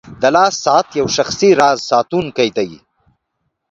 • د لاس ساعت یو شخصي راز ساتونکی دی.